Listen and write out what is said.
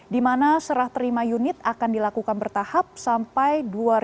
di mana serah terima unit akan dilakukan bertahap sampai dua ribu dua puluh